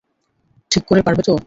ঠিক করে পারবে তো?